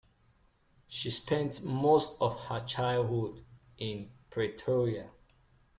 She spent most of her childhood in Pretoria.